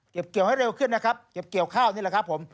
เกี่ยวให้เร็วขึ้นนะครับเก็บเกี่ยวข้าวนี่แหละครับผม